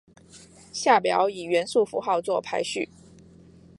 下表以元素符号作排序。